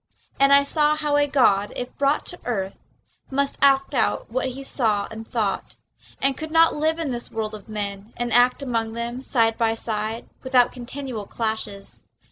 And I saw how a god, if brought to earth, Must act out what he saw and thought, And could not live in this world of men And act among them side by side Without continual clashes.